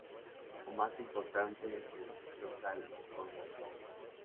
O más importante, Sin Rosalee con Monroe!